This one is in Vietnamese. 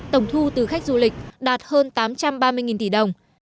tổng thu từ khách du lịch đạt hơn tám trăm ba mươi tỷ đồng